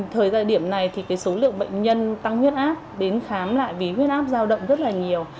thời gian điểm này số lượng bệnh nhân tăng huyết áp đến khám lại vì huyết áp giao động rất nhiều